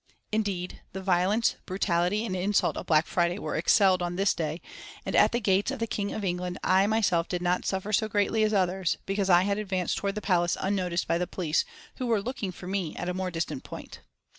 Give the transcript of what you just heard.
Indeed, the violence, brutality and insult of Black Friday were excelled on this day, and at the gates of the King of England. I myself did not suffer so greatly as others, because I had advanced towards the Palace unnoticed by the police, who were looking for me at a more distant point.